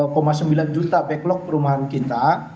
sembilan juta backlog perumahan kita